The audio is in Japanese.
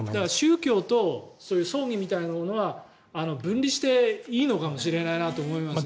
宗教と葬儀みたいなものは分離していいのかもしれないなと思いますね。